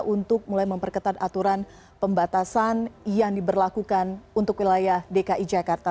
untuk mulai memperketat aturan pembatasan yang diberlakukan untuk wilayah dki jakarta